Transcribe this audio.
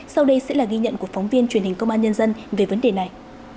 sau đây sẽ là ghi nhận của phóng viên truyền hình công an nhân dân về vấn đề này